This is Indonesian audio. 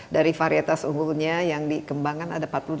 dari varietas umurnya yang dikembangkan ada empat puluh delapan